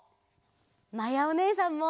まやおねえさんも。